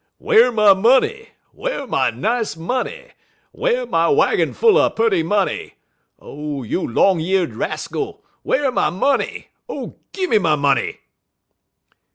"'Whar my money? Whar my nice money? Whar my waggin full er purty money? O you long year'd rascal! Whar my money? Oh, gimme my money!'